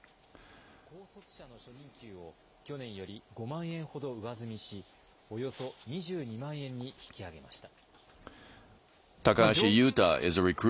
高卒者の初任給を去年より５万円ほど上積みし、およそ２２万円に引き上げました。